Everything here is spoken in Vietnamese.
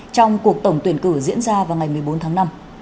trong cuộc tổng tuyển cử diễn ra vào ngày một mươi bốn tháng năm